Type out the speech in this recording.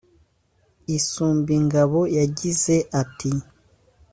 Isumbingabo yagize ati